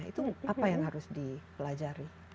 itu apa yang harus dipelajari